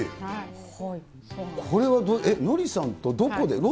これは、ノリさんとどこで？